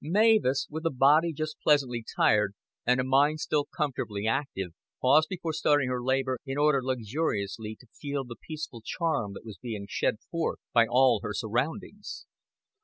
Mavis, with a body just pleasantly tired and a mind still comfortably active, paused before starting her labor in order luxuriously to feel the peaceful charm that was being shed forth by all her surroundings.